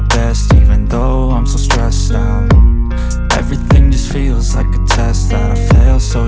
terima kasih pak lurah